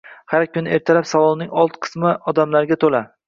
Har kuni ertalab salonning old qismi odamlarga to'la